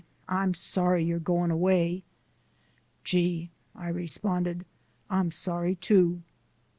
I'm sorry you're goin' away!" "Gee!" I responded, "I'm sorry, too!"